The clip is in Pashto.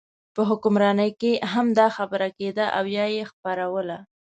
په حکمرانۍ کې هم دا خبره کېده او یې خپروله.